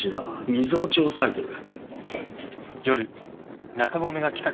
みぞおち押さえてる。